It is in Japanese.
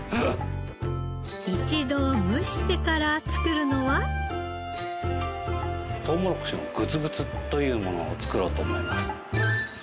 一度蒸してから作るのは？というものを作ろうと思います。